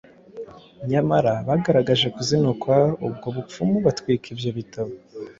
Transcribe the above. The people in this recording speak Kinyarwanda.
nyamara bagaragaje kuzinukwa ubwo bupfumu batwika ibyo bitabo.